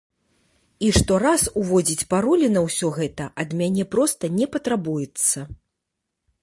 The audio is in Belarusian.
І штораз уводзіць паролі на ўсё гэта ад мяне проста не патрабуецца.